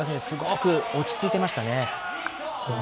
すごく落ち着いていましたね。